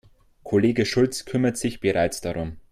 Kollege Schulz kümmert sich bereits darum.